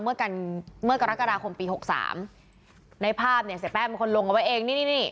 เมื่อกันเมื่อกรกฎาคมปีหกสามในภาพเนี่ยเสียแป้งเป็นคนลงเอาไว้เองนี่นี่